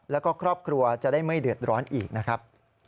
แล้วก็ครอบครัวจะได้ไม่เดือดร้อนอีกนะครับ